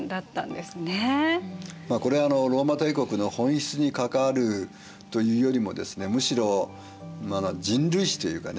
まあこれはローマ帝国の本質に関わるというよりもですねむしろ人類史というかね。